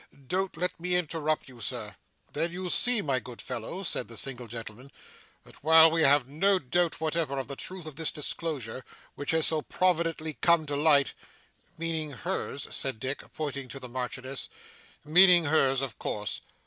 Don't let me interrupt you, sir.' 'Then, you see, my good fellow,' said the single gentleman, 'that while we have no doubt whatever of the truth of this disclosure, which has so providentially come to light ' 'Meaning hers?' said Dick, pointing towards the Marchioness. ' Meaning hers, of course.